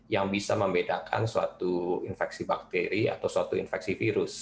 yang bisa membedakan suatu infeksi bakteri atau suatu infeksi virus